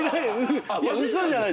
嘘じゃない。